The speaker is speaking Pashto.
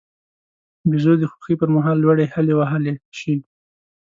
بیزو د خوښۍ پر مهال لوړې هلې وهلای شي.